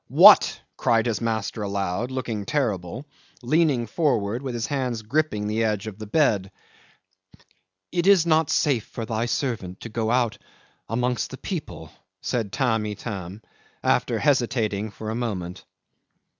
"What?" cried his master aloud, looking terrible, leaning forward with his hands gripping the edge of the bed. "It is not safe for thy servant to go out amongst the people," said Tamb' Itam, after hesitating a moment.